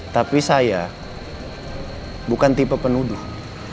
tapi saya bukan tipe penuduh